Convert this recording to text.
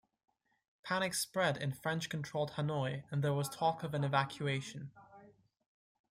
Panic spread in French-controlled Hanoi and there was talk of an evacuation.